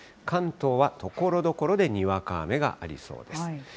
関東はところどころでにわか雨がありそうです。